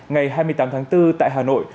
ngày hai mươi tám tháng bốn tại hà nội